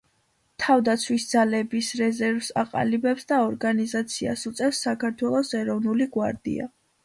თავდაცვის ძალების რეზერვს აყალიბებს და ორგანიზაციას უწევს საქართველოს ეროვნული გვარდია.